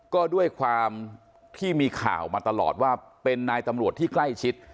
ก็ด้วยความที่มีข่าวมาตลอดว่าเป็นนายตำรวจที่ใกล้ชิด